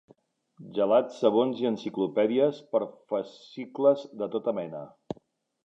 Gelats, sabons i enciclopèdies per fascicles de tota mena.